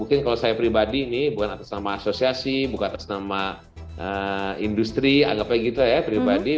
mungkin kalau saya pribadi ini bukan atas nama asosiasi bukan atas nama industri anggapnya gitu ya pribadi